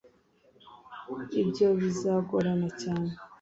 ibyo bizagorana cyane